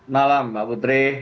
malam mbak putri mas faldo